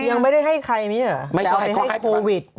ยังไม่ได้ให้ใครมั้ยเหรอแต่เอาไปให้โควิด